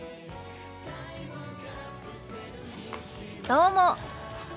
どうも。